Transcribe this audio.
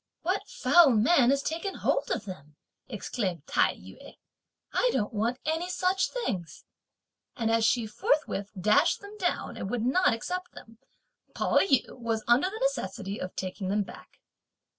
"What foul man has taken hold of them?" exclaimed Tai yü. "I don't want any such things;" and as she forthwith dashed them down, and would not accept them, Pao yü was under the necessity of taking them back.